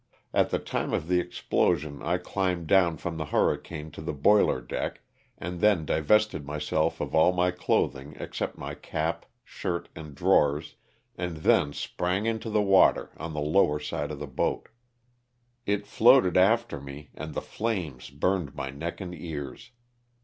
At the time of the ex plosion I climbed down from the hurricane to the boiler deck, and then divested myself of all my cloth ing except my cap, shirt and drawers and then sprang into the water, on the lower side of the boat. It floated after me and the flames burned my neck and ears.